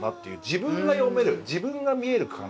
自分が読める自分が見える句かなと。